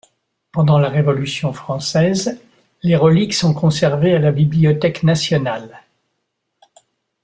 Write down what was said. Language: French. Pendant la Révolution française, les reliques sont conservées à la Bibliothèque nationale.